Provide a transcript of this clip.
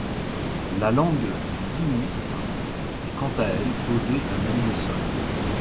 La langue dudit monstre est quant à elle posée à même le sol.